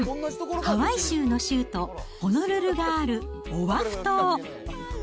ハワイ州の州都ホノルルがあるオアフ島。